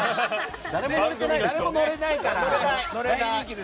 誰も乗れないから。